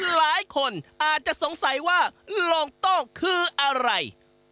หลายคนอาจจะสงสัยว่าโลโต้คืออะไร